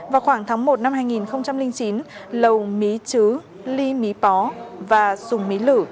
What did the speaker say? vào khoảng tháng một năm hai nghìn chín lầu mí chứ ly mí pó và dùng mí lử